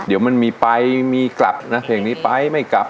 เดี๋ยวมันมีไปใหม่กลับเพลงนี้จะไปหรือไม่กลับ